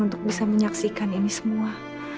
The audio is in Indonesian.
untuk bisa menyaksikan ini semua